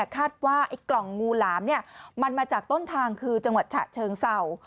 ไอ้กล่องงูหลามมันมาจากต้นทางคือจังหวัดฉะเชิงเศร้า